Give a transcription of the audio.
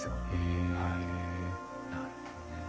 へえなるほどね。